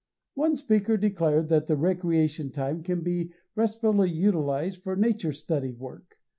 One speaker declared that the recreation time can be restfully utilized for nature study work.